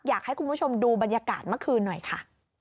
อยากให้คุณผู้ชมดูบรรยากาศเมื่อคืนหน่อยค่ะ